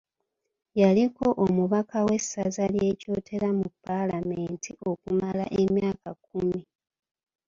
Yaliko omubaka w’essaza ly’e Kyotera mu Palamenti okumala emyaka kkumi.